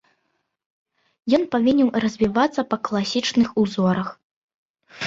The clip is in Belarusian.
Ён павінен развівацца па класічных узорах.